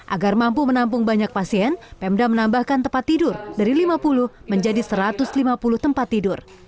agar mampu menampung banyak pasien pemda menambahkan tempat tidur dari lima puluh menjadi satu ratus lima puluh tempat tidur